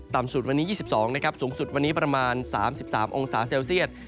สุดวันนี้๒๒นะครับสูงสุดวันนี้ประมาณ๓๓องศาเซลเซียต